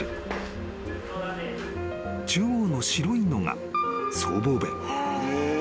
［中央の白いのが僧帽弁］